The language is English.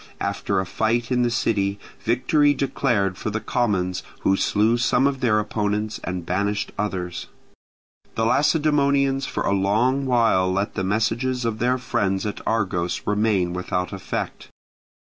After a fight in the city, victory declared for the commons, who slew some of their opponents and banished others. The Lacedaemonians for a long while let the messages of their friends at Argos remain without effect.